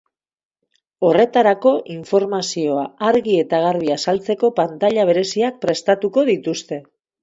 Horretarako, informazioa argi eta garbi azaltzeko pantaila bereziak prestatuko dituzte.